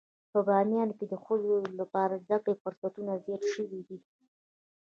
په باميان کې د ښځو لپاره د زده کړې فرصتونه زيات شوي دي.